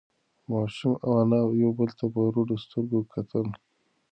ماشوم او انا یو بل ته په رډو سترگو کتل.